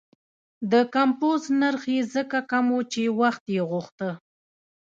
د کمپوز نرخ یې ځکه کم و چې وخت یې غوښته.